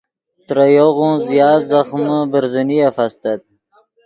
ترے یوغون زیات ځخمے برزنیف استت